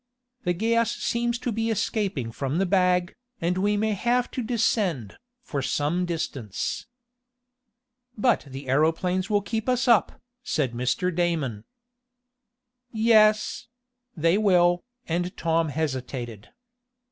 The gas seems to be escaping from the bag, and we may have to descend, for some distance." "But the aeroplanes will keep us up," said Mr. Daman. "Yes they will," and Tom hesitated.